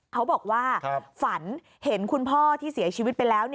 เขาบอกว่าฝันเห็นคุณพ่อที่เสียชีวิตไปแล้ว